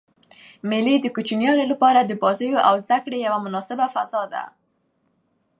مېلې د کوچنيانو له پاره د بازيو او زدکړي یوه مناسبه فضا ده.